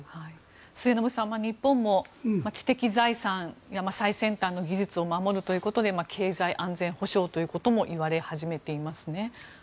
末延さん日本も知的財産や最先端の技術を守るということで経済安全保障ということも言われ始めていますね。